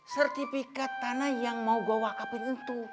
sertifikat tanah yang mau gue wakapin itu